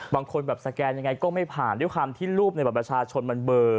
บางคนแบบสแกนยังไงก็ไม่ผ่านด้วยความที่รูปในบัตรประชาชนมันเบอร์